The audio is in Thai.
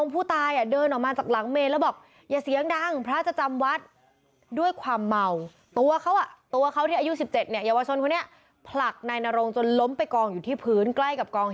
เพราะอายุไม่ถึง